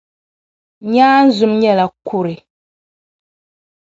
Nyaanzum nyɛla kɔre.